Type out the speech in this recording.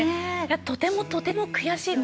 とてもとても悔しいと。